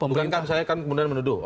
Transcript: bukankah saya kan kemudian menuduh